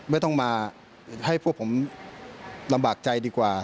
ไม่ต้องมาให้พวกผมลำบากใจดีกว่า